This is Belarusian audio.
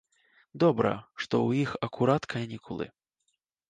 Добра, што ў іх акурат канікулы.